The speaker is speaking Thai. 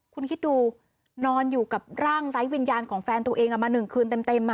คุณคิดดูนอนอยู่กับร่างไร้วิญญาณของแฟนตัวเองมา๑คืนเต็ม